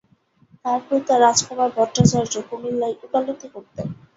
তার পিতা রাজকুমার ভট্টাচার্য কুমিল্লায় ওকালতি করতেন।